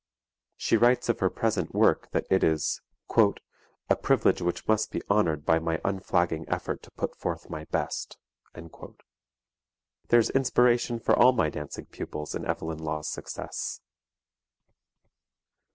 She writes of her present work that it is "a privilege which must be honored by my unflagging effort to put forth my best." There's inspiration for all my dancing pupils in Evelyn Law's success.